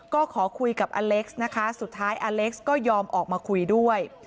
ก็ขอคุยกับอเล็กซ์นะคะสุดท้ายอเล็กซ์ก็ยอมออกมาคุยด้วย